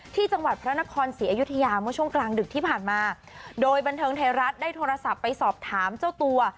ที่จังหวัดพระนครศรีอยุธยาเมื่อช่วงกลางดึกที่ผ่านมาโดยบันเทิงไทยรัฐได้โทรศัพท์ไปสอบถามเจ้าตัว